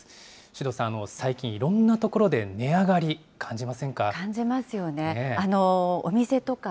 首藤さん、最近、いろんなところで値上がり、感じませんか。